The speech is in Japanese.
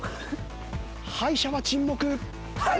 敗者は沈黙。